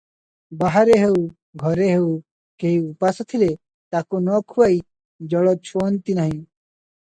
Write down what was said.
ବାହାରେ ହେଉ, ଘରେ ହେଉ, କେହି ଉପାସ ଥିଲେ ତାକୁ ନ ଖୁଆଇ ଜଳ ଛୁଅନ୍ତି ନାହିଁ ।